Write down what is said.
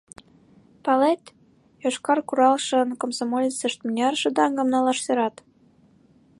Палет, «Йошкар куралшын» комсомолецышт мыняр шыдаҥым налаш сӧрат?